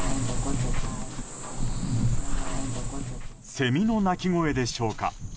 セミの鳴き声でしょうか。